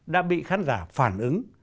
đã bị khán giả phản ứng